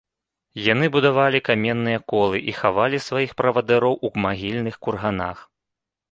Яны будавалі каменныя колы і хавалі сваіх правадыроў ў магільных курганах.